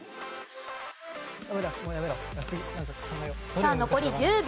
さあ残り１０秒。